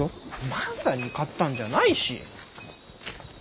万さんに買ったんじゃないし！